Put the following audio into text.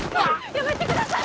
やめてください